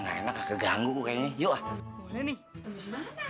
gak enak kagak ganggu gue kayaknya